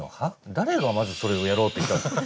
誰がまずそれをやろうっていったんすか？